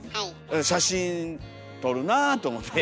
写真撮るなあと思って。